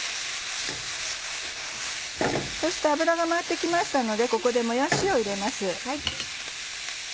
そして油が回って来ましたのでここでもやしを入れます。